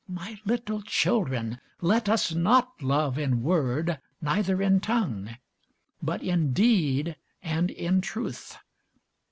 My little children, let us not love in word, neither in tongue; but in deed and in truth.